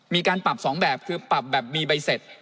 มีการปรับ๒แบบคือปรับแบบมีใบเสร็จ